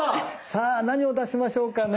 さあ何を出しましょうかね。